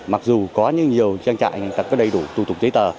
mặc dù có nhiều trang trại có đầy đủ tù tục giấy tờ